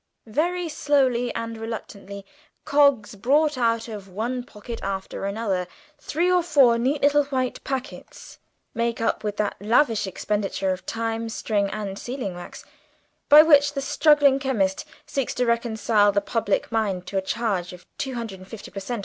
Very slowly and reluctantly Coggs brought out of one pocket after another three or four neat little white packets, made up with that lavish expenditure of time, string, and sealing wax, by which the struggling chemist seeks to reconcile the public mind to a charge of two hundred and fifty per cent.